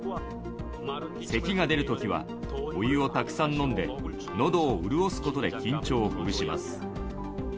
せきが出るときはお湯をたくさん飲んで、のどを潤すことで緊張をほぐします。